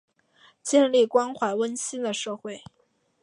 建立关怀温馨的社会